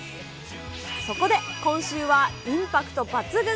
そこで、今週はインパクト抜群！